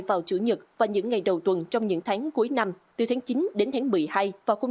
vào thứ nhật và những ngày đầu tuần trong những tháng cuối năm từ tháng chín đến tháng một mươi hai vào không